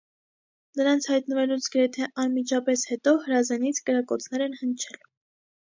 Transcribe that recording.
Նրանց հայտնվելուց գրեթե անմիջապես հետո հրազենից կրակոցներ են հնչել։